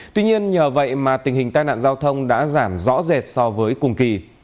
tuy nhiên nhờ vậy mà tình hình tai nạn giao thông đã giảm rõ rệt so với cùng kỳ